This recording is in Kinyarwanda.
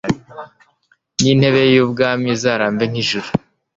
n’intebe ye y’ubwami izarambe nk’ijuru